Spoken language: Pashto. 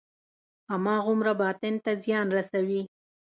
هماغومره باطن ته زیان رسوي.